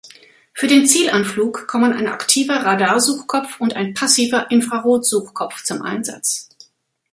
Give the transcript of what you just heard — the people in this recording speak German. Für den Zielanflug kommen ein aktiver Radarsuchkopf und ein passiver Infrarotsuchkopf zum Einsatz.